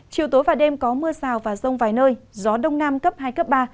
chiều tối và đêm có mưa rào và rông vài nơi gió đông nam cấp hai cấp ba